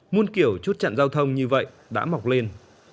muôn kiểu chốt chặn giao thông như vậy đã mọc lên